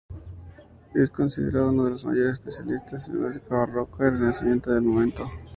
Es considerado uno de los mayores especialistas en música barroca y renacentista del momento.